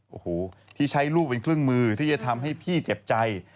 โอ้โหที่ใช้ลูกเป็นเครื่องมือที่จะทำให้พี่เจ็บใจ